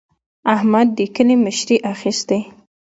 احمد د کلي مشري اخېستې.